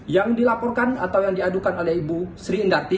yang dilaporkan atau yang diadukan oleh ibu sri indarti